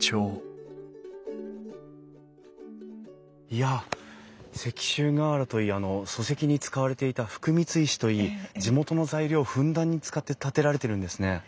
いや石州瓦といい礎石に使われていた福光石といい地元の材料をふんだんに使って建てられてるんですね。